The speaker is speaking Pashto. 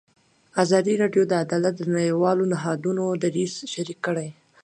ازادي راډیو د عدالت د نړیوالو نهادونو دریځ شریک کړی.